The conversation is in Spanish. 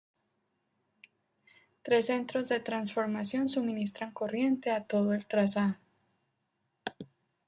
Tres centros de transformación suministran corriente a todo el trazado.